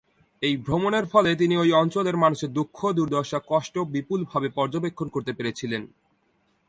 এই ভ্রমণের ফলে তিনি ঐ অঞ্চলের মানুষের দুঃখ দুর্দশা কষ্ট বিপুল ভাবে পর্যবেক্ষন করতে পেরে ছিলেন।